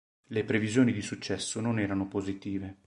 Le previsioni di successo non erano positive.